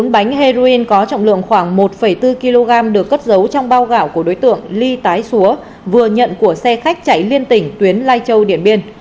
bốn bánh heroin có trọng lượng khoảng một bốn kg được cất giấu trong bao gạo của đối tượng ly tái xúa vừa nhận của xe khách chạy liên tỉnh tuyến lai châu điện biên